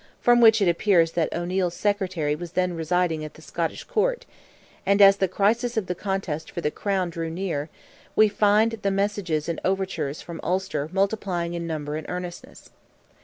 from which it appears that O'Neil's Secretary was then residing at the Scottish Court; and as the crisis of the contest for the Crown drew near, we find the messages and overtures from Ulster multiplying in number and earnestness.